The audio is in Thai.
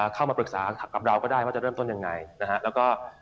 เข้ามาปรึกษากับเราก็ได้ว่าจะเริ่มต้นยังไงนะฮะแล้วก็